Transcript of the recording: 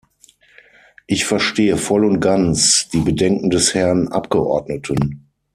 Ich verstehe voll und ganz die Bedenken des Herrn Abgeordneten.